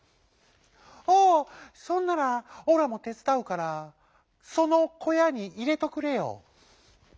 「おうそんならオラもてつだうからそのこやにいれとくれよ」。